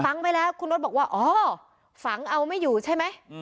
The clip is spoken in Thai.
ไปแล้วคุณโน๊ตบอกว่าอ๋อฝังเอาไม่อยู่ใช่ไหม